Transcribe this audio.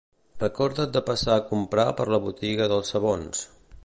Recorda't de passar a comprar per la botiga dels sabons